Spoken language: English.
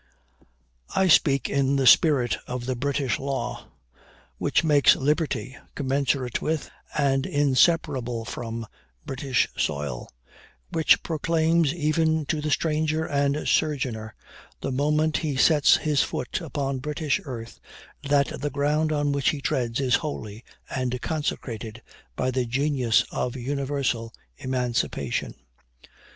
"I speak in the spirit of the British law, which makes liberty commensurate with, and inseparable from, British soil which proclaims even to the stranger and sojourner, the moment he sets his foot upon British earth, that the ground on which he treads is holy, and consecrated by the genius of universal emancipation.